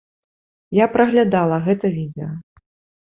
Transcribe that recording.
Я праглядала гэта відэа.